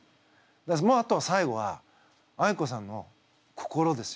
もうあと最後はあいこさんの心ですよ。